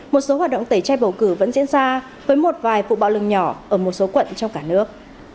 một số hoạt động tẩy chay bầu cử vẫn diễn ra với một vài vụ bạo lừng nhỏ ở một số quận trong cả nước